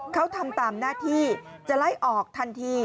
เขาทำตามหน้าที่จะไล่ออกทันที